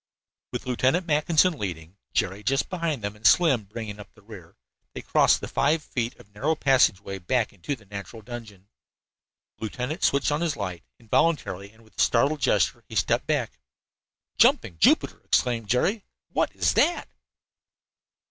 With Lieutenant Mackinson leading, Jerry just behind him and Slim bringing up the rear, they crossed the five feet of narrow passageway back into the natural dungeon. The lieutenant switched on his light. Involuntarily and with a startled gesture he stepped back. "Jumping Jupiter!" exclaimed Jerry, "what's that?"